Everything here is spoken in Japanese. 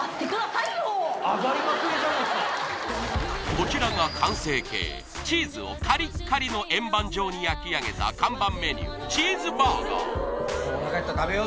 こちらが完成形チーズをカリッカリの円盤状に焼き上げた看板メニューチーズバーガー